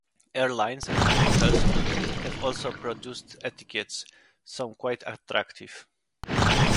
Airlines and hotels have also produced etiquettes, some quite attractive.